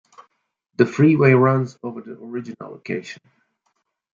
The freeway runs over the original location.